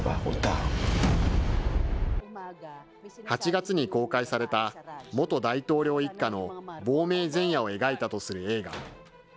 ８月に公開された、元大統領一家の亡命前夜を描いたとする映画。